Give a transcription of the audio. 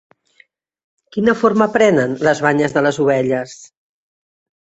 Quina forma prenen les banyes de les ovelles?